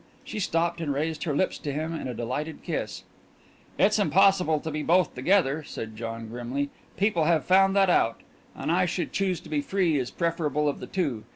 She stopped and raised her lips to him in a delighted kiss. "It's impossible to be both together," said John grimly. "People have found that out. And I should choose to be free as preferable of the two.